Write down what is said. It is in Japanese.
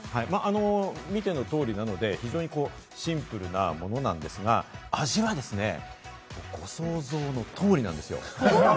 見ての通りなので非常にシンプルなものなんですが、味がご想像の通りなんですよ。